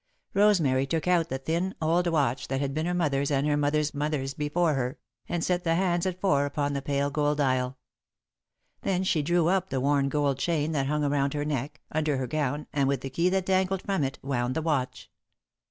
Rosemary took out the thin, old watch that had been her mother's and her mother's mother's before her, and set the hands at four upon the pale gold dial. Then she drew up the worn gold chain that hung around her neck, under her gown, and, with the key that dangled from it, wound the watch.